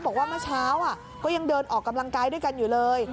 บอกว่าเมื่อเช้าก็ยังเดินออกกำลังกายด้วยกันอยู่เลย